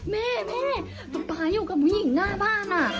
แม่แม่คุณป๊าอยู่กับผู้หญิงหน้าบ้านอ่ะ